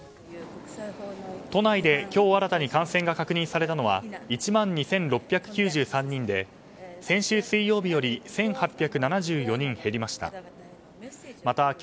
都内で今日新たに感染が確認されたのは１万２６９３人で先週水曜日より１８７４人減りました。